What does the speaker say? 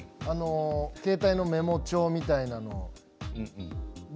携帯のメモ帳みたいなもの。